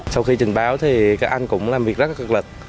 sau khi trừng báo thì các anh cũng làm việc rất cơ lật